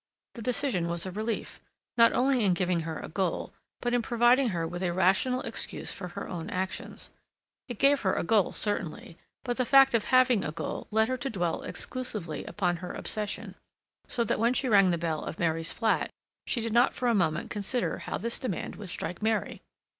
The decision was a relief, not only in giving her a goal, but in providing her with a rational excuse for her own actions. It gave her a goal certainly, but the fact of having a goal led her to dwell exclusively upon her obsession; so that when she rang the bell of Mary's flat, she did not for a moment consider how this demand would strike Mary.